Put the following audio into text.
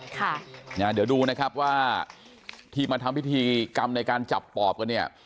เดี๋ยวดูนะครับว่าที่มาทำพิธีกรรมในการจับปอบกันเนี่ย